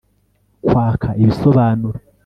kwaka ibisobanuro